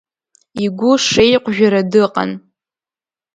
Игәы шеиҟәжәара дыҟан.